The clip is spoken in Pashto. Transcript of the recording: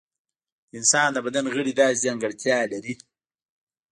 د انسان د بدن غړي داسې ځانګړتیا لري.